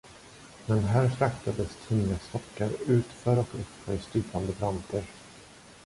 Men här fraktades tunga stockar utför och uppför stupande branter.